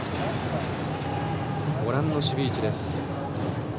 ご覧の守備位置です。